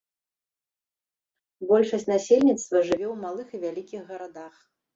Большасць насельніцтва жыве ў малых і вялікіх гарадах.